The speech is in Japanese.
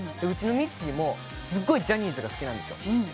うちのみっちーもすごいジャニーズが好きなんですよ。